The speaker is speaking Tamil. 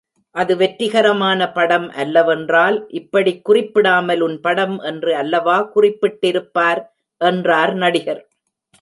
அது வெற்றிகரமான படம் அல்லவென்றால், இப்படிக் குறிப்பிடாமல் உன் படம் என்று அல்லவா குறிப்பிட்டிருப்பார் என்றார் நடிகர்.